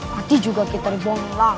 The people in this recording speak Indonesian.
mati juga kita silahkan